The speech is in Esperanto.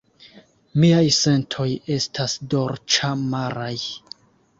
Miaj sentoj estas dolĉamaraj.